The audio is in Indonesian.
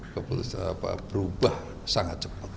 keputusan berubah sangat cepat